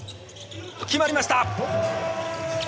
決まりました！